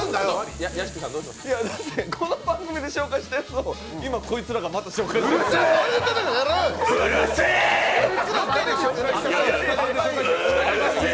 この番組で紹介したやつを今、こいつらがまた紹介してるんでしょ。